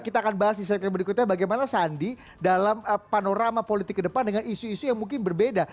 kita akan bahas di segmen berikutnya bagaimana sandi dalam panorama politik ke depan dengan isu isu yang mungkin berbeda